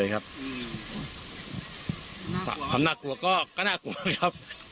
น่ากลัวก็น่ากลัวก็น่ากลัวครับ